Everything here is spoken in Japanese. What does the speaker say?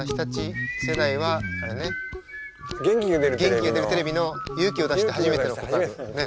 「元気が出るテレビ！！」の「勇気を出して初めての告白」ね。